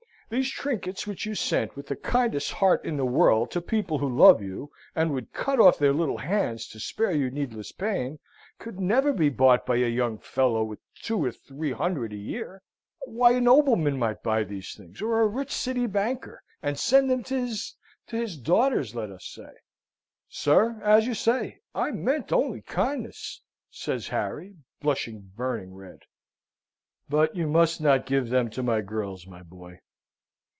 These trinkets which you sent with the kindest heart in the world to people who love you, and would cut off their little hands to spare you needless pain, could never be bought by a young fellow with two or three hundred a year. Why, a nobleman might buy these things, or a rich City banker, and send them to his to his daughters, let us say." "Sir, as you say, I meant only kindness," says Harry, blushing burning red. "But you must not give them to my girls, my boy.